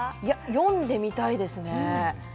読んでみたいですね。